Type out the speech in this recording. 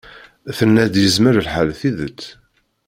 Tenna-d yezmer lḥal tidet.